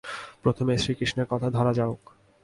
প্রথমে শ্রীকৃষ্ণের কথা ধরা যাউক।